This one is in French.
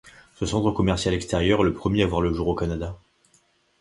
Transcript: Ce centre commercial extérieur est le premier à voir le jour au Canada.